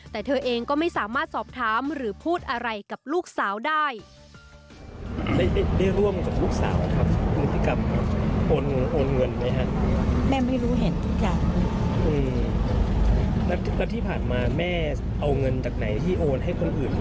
แต่เธอเองก็ไม่สามารถสอบถามหรือพูดอะไรกับลูกสาวได้